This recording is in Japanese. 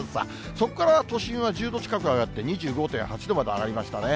そこから都心は１０度近く上がって、２５．８度まで上がりましたね。